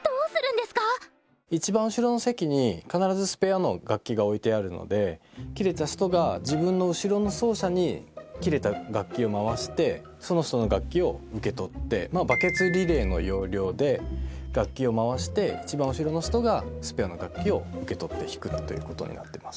いちばん後ろの席に必ずスペアの楽器が置いてあるので切れた人が自分の後ろの奏者に切れた楽器を回してその人の楽器を受け取ってバケツリレーの要領で楽器を回していちばん後ろの人がスペアの楽器を受け取って弾くということになってます。